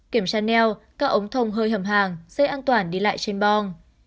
kiểm tra neo các ống thông hơi hầm hàng xe an toàn đi lại trên bong